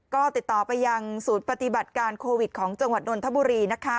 ก็ติดต่อไปยังศูนย์ปฏิบัติการโควิดของจังหวัดนนทบุรีนะคะ